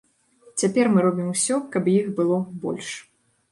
Цяпер мы робім усё, каб іх было больш.